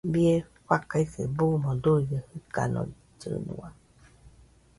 Bie faikase buuno duide jɨkanollɨnua.